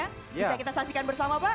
bisa kita saksikan bersama pak